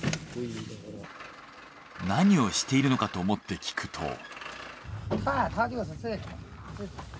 何をしているのかと思って聞くと。